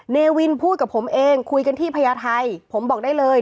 เนวินพูดกับผมเองคุยกันที่พญาไทยผมบอกได้เลย